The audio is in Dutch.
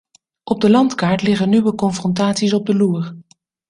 Op de landkaart liggen nieuwe confrontaties op de loer.